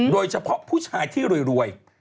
โดยเฉพาะผู้ชายที่รวย